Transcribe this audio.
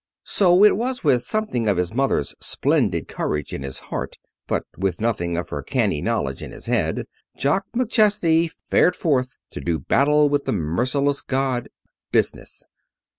So it was with something of his mother's splendid courage in his heart, but with nothing of her canny knowledge in his head, Jock McChesney fared forth to do battle with the merciless god Business.